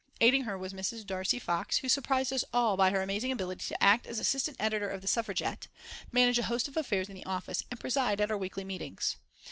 Aiding her was Mrs. Dacre Fox, who surprised us all by her amazing ability to act as assistant editor of The Suffragette, manage a host of affairs in the office, and preside at our weekly meetings.